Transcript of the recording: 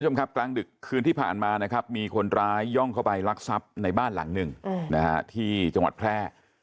คุณผู้ชมครับกลางดึกคืนที่ผ่านมานะครับมีคนร้ายย่องเข้าไปรักทรัพย์ในบ้านหลังหนึ่งนะฮะที่จังหวัดแพร่